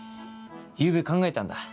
ゆうべ考えたんだ